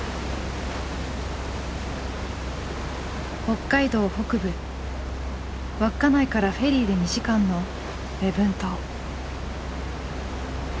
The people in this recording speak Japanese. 北海道北部稚内からフェリーで２時間の礼文島。